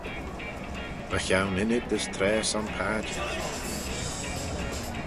Mychione ynnyd as traa son padjer.